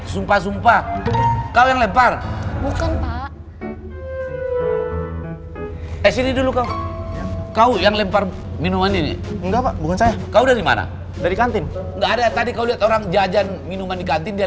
sampai jumpa di video selanjutnya